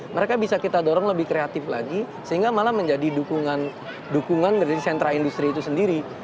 mereka bisa kita dorong lebih kreatif lagi sehingga malah menjadi dukungan dari sentra industri itu sendiri